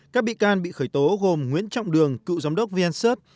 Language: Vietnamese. các bị can bị khởi tố gồm nguyễn trọng đường cựu giám đốc vncert